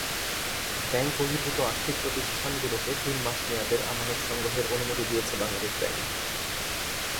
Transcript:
Bank বহির্ভূত আর্থিক প্রতিষ্ঠানগুলোকে তিন মাস মেয়াদের আমানত সংগ্রহের অনুমতি দিয়েছে বাংলাদেশ ব্যাংক।